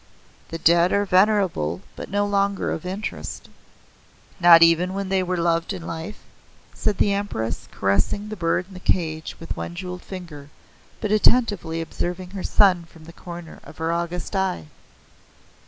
The dead are venerable, but no longer of interest." "Not even when they were loved in life?" said the Empress, caressing the bird in the cage with one jewelled finger, but attentively observing her son from the corner of her august eye.